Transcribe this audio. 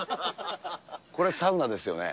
これ、サウナですよね。